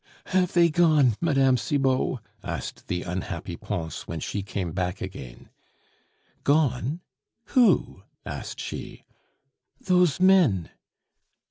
"Have they gone, Mme. Cibot?" asked the unhappy Pons, when she came back again. "Gone?... who?" asked she. "Those men."